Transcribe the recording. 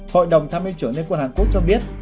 hội đồng tham minh chủ nghĩa quân hàn quốc cho biết